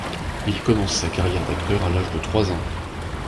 Il commence sa carrière d'acteur à l'âge de trois ans.